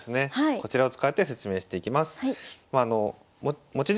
こちらを使って説明していきます。